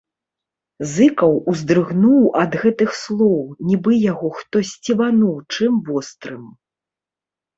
Зыкаў уздрыгнуў ад гэтых слоў, нібы яго хто сцебануў чым вострым.